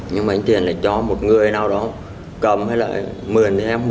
nhưng mà anh tiền lại cho một người nào đó cầm hay là mượn em